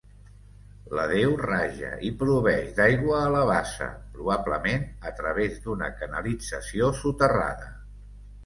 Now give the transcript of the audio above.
La deu raja i proveeix d'aigua a la bassa, probablement a través d'una canalització soterrada.